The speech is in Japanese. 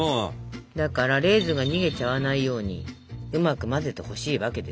だからレーズンが逃げちゃわないようにうまく混ぜてほしいわけですよ。